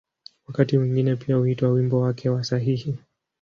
Wakati mwingine pia huitwa ‘’wimbo wake wa sahihi’’.